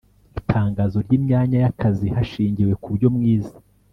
itangazo ry imyanya y akazi hashingiwe kubyo mwize